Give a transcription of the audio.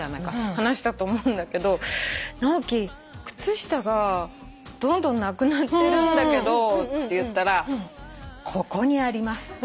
話したと思うんだけど直樹靴下がどんどんなくなってるんだけどって言ったら「ここにあります」って。